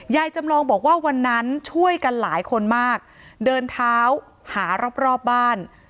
จำลองบอกว่าวันนั้นช่วยกันหลายคนมากเดินเท้าหารอบรอบบ้าน